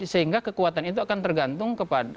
sehingga kekuatan itu akan tergantung kepada